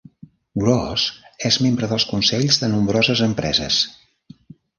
Gross és membre dels consells de nombroses empreses.